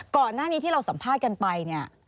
ก่อนหน้านี้ที่เราสัมภาษณ์กันไปเนี่ย